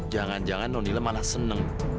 jangan jangan nonila malah seneng